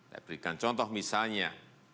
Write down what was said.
saya berikan contoh misalnya